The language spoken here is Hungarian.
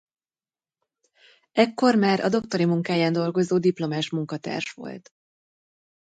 Ekkor már a doktori munkáján dolgozó diplomás munkatárs volt.